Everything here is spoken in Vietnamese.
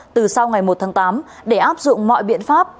từ sau ngày một tháng tám để áp dụng mọi biện pháp